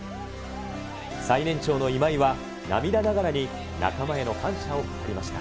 最年長の今井は、涙ながらに仲間への感謝を語りました。